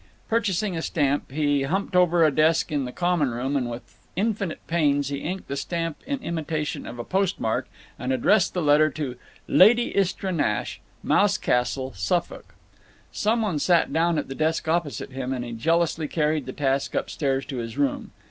Purchasing a stamp, he humped over a desk in the common room and with infinite pains he inked the stamp in imitation of a postmark and addressed the letter to "Lady Istra Nash, Mouse Castle, Suffolk." Some one sat down at the desk opposite him, and he jealously carried the task upstairs to his room.